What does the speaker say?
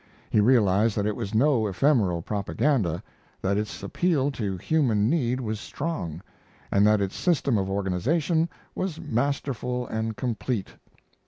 He realized that it was no ephemeral propaganda, that its appeal to human need was strong, and that its system of organization was masterful and complete.